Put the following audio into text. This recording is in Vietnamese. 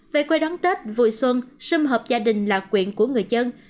về quê đón tết vui xuân xâm hợp gia đình là quyền của người dân